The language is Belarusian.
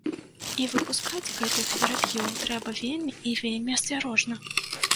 І выпускаць гэтых вераб'ёў трэба вельмі і вельмі асцярожна.